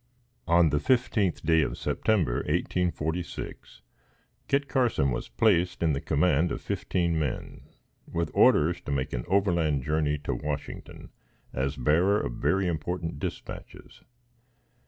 On the 15th day of September, 1846, Kit Carson was placed in the command of fifteen men, with orders to make an overland journey to Washington, as bearer of very important dispatches.